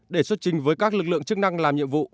để xuất trình với các lực lượng chức năng làm nhiệm vụ